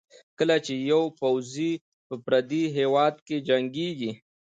کله چې یو پوځي په پردي هېواد کې جنګېږي.